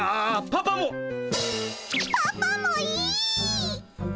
パパもいいっ！